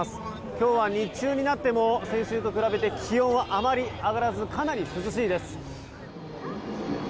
今日は日中になっても先週と比べて気温があまり上がらずかなり涼しいです。